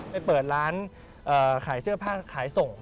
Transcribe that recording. ไปเปิดร้านขายเสื้อผ้าขายส่ง